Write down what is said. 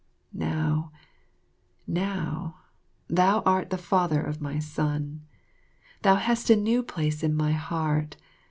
Now now thou art the father of my son. Thou hast a new place in my heart.